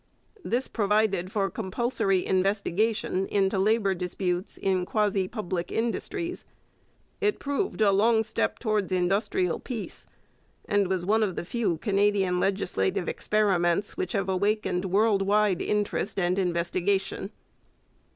This provided for compulsory investigation into labour disputes in quasi public industries. It proved a long step towards industrial peace, and was one of the few Canadian legislative experiments which have awakened world wide interest and investigation.